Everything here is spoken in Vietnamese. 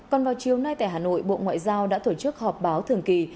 còn vào chiều nay tại hà nội bộ ngoại giao đã tổ chức họp báo thường kỳ